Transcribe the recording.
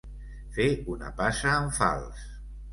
Fer una passa en fals.